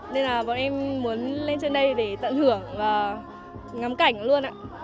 nên là bọn em muốn lên trên đây để tận hưởng và ngắm cảnh luôn ạ